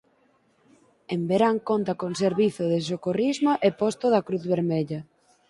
En verán conta con servizo de socorrismo e posto da Cruz Vermella.